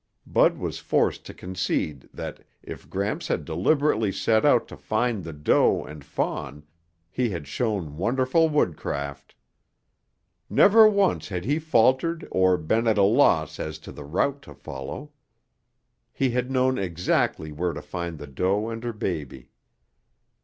Bud was forced to concede that, if Gramps had deliberately set out to find the doe and fawn, he had shown wonderful woodcraft. Never once had he faltered or been at a loss as to the route to follow. He had known exactly where to find the doe and her baby.